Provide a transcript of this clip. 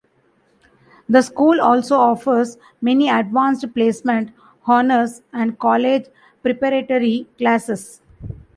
The school also offers many Advanced Placement, Honors, and college preparatory classes.